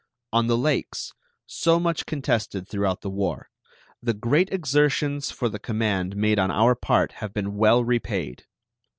On the Lakes, so much contested throughout the war, the great exertions for the command made on our part have been well repaid.